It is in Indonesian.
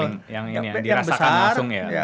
yang paling yang dirasakan langsung ya